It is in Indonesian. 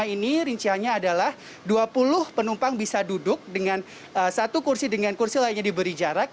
ini rinciannya adalah dua puluh penumpang bisa duduk dengan satu kursi dengan kursi lainnya diberi jarak